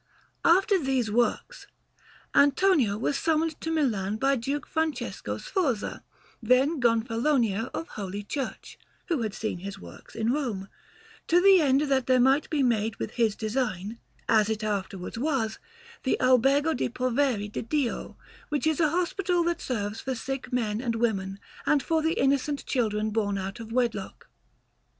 Peter's_) Alinari] After these works, Antonio was summoned to Milan by Duke Francesco Sforza, then Gonfalonier of Holy Church (who had seen his works in Rome), to the end that there might be made with his design, as it afterwards was, the Albergo de' poveri di Dio, which is a hospital that serves for sick men and women, and for the innocent children born out of wedlock.